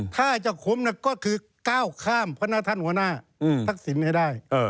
ถ้าจะคุ้มก็คือก้าวข้ามพนักท่านหัวหน้าทักษิณให้ได้